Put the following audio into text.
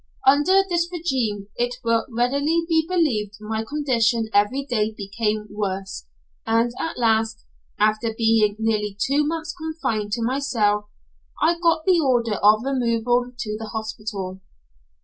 Under this regimen it will readily be believed my condition every day became worse, and at last, after being nearly two months confined to my cell, I got the order of removal to the hospital.